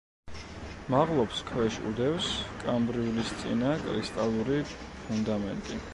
მაღლობს ქვეშ უდევს კამბრიულისწინა კრისტალური ფუნდამენტი.